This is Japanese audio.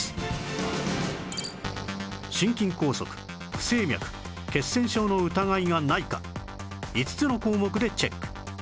心筋梗塞不整脈血栓症の疑いがないか５つの項目でチェック